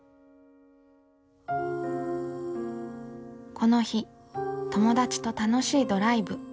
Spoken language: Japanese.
この日友達と楽しいドライブ。